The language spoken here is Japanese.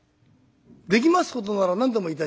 「できますことなら何でもいたしますが」。